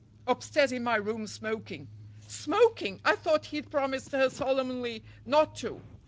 "Upstairs in my room, smoking." "Smoking! I thought he'd promised her solemnly not to."